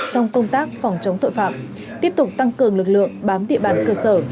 trong công tác phòng chống tội phạm tiếp tục tăng cường lực lượng bám địa bàn cơ sở